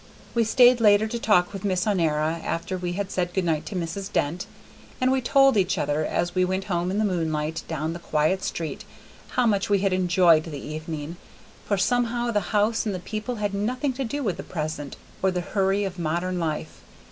We stayed later to talk with Miss Honora after we had said good night to Mrs. Dent. And we told each other, as we went home in the moonlight down the quiet street, how much we had enjoyed the evening, for somehow the house and the people had nothing to do with the present, or the hurry of modern life.